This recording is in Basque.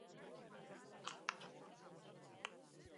Aurten, zortzi euro merkeagoak izango dira bonuak.